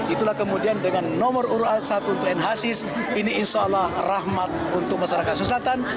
itulah kemudian dengan nomor urut satu untuk nhsis ini insya allah rahmat untuk masyarakat sulawesi selatan